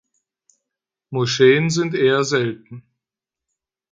Moscheen sind eher selten.